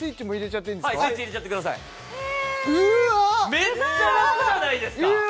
めっちゃ楽じゃないですか？